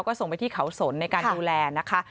ก็ส่งไปที่เขาสนในการดูแลนะคะ